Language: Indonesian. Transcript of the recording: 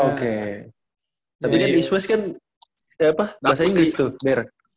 oke tapi kan east west kan bahasa inggris tuh bere